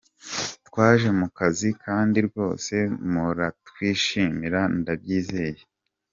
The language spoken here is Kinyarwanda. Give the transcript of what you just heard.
Twaje mu kazi kandi rwose muratwishimira, ndabyizeye.